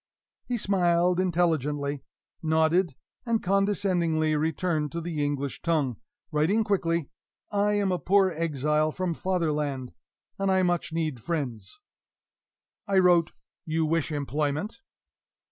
He smiled intelligently, nodded, and condescendingly returned to the English tongue, writing quickly, "I am a poor exile from Fatherland, and I much need friends." I wrote: "You wish employment?"